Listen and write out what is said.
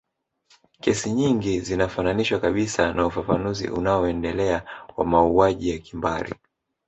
Kesi nyingi zinafananishwa kabisa na ufafanuzi unao endelea wa mauaji ya kimbari